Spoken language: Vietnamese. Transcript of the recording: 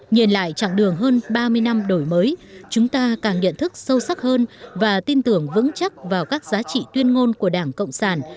nhìn lại chặng đường hơn ba mươi năm đổi mới chúng ta càng nhận thức sâu sắc hơn và tin tưởng vững chắc vào các giá trị tuyên ngôn của đảng cộng sản